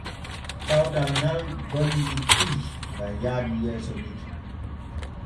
Kawtal ŋal golli puy gam yaadu yeeso nikki.